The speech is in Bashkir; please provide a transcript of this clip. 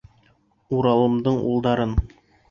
Уралымдың улдарын!..